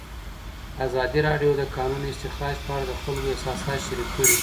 ازادي راډیو د د کانونو استخراج په اړه د خلکو احساسات شریک کړي.